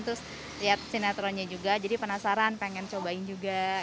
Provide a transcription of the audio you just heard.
terus lihat sinetronnya juga jadi penasaran pengen cobain juga